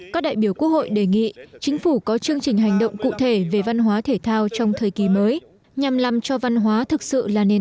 có đại biểu quốc hội đề nghị chính phủ có chương trình hành động cụ thể về văn hóa thể thao trong thời kỳ mới